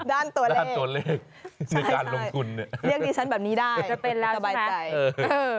ด้านตัวเลขด้านตัวเลขในการลงทุนเนี่ยเรียกดิฉันแบบนี้ได้จะเป็นแล้วสบายใจเออ